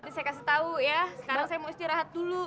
saya kasih tahu ya sekarang saya mau istirahat dulu